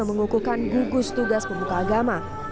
mengukuhkan gugus tugas pemuka agama